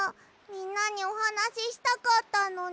みんなにおはなししたかったのに。